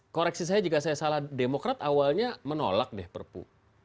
koreksi saya jika saya salah demokrat awalnya menolak deh perpu